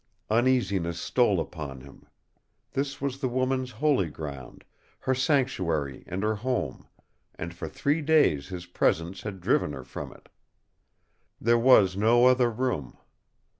Uneasiness stole upon him. This was the woman's holy ground, her sanctuary and her home, and for three days his presence had driven her from it. There was no other room.